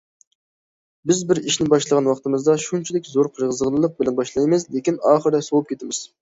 بىز بىر ئىشنى باشلىغان ۋاقتىمىزدا شۇنچىلىك زور قىزغىنلىق بىلەن باشلايمىز، لېكىن ئاخىرىدا سوۋۇپ كېتىمىز.